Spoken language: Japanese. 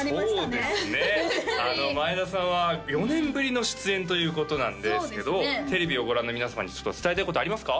そうですね前田さんは４年ぶりの出演ということなんですけどテレビをご覧の皆様にちょっと伝えたいことありますか？